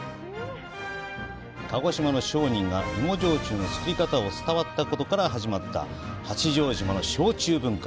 鹿児島の商人が芋焼酎の造り方を伝えたことから始まった八丈島の焼酎文化。